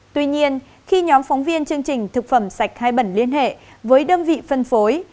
tuy nhiên khi nhóm phóng viên chương trình thực phẩm sạch hai bẩn liên hệ với đơn vị phân phối